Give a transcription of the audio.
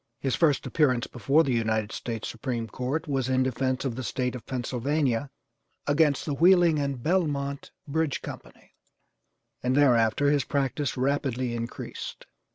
His first appearance before the United States Supreme Court was in defence of the State of Pennsylvania against the Wheeling and Belmont Bridge Company, and thereafter his practice rapidly increased.